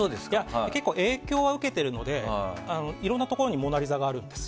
結構、影響は受けているのでいろんなところに「モナ・リザ」があるんです。